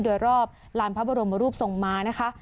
โดยรอบลานพระบรมรูปทรงมานะคะ